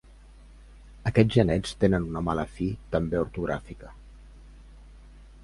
Aquests genets tenen una mala fi, també ortogràfica.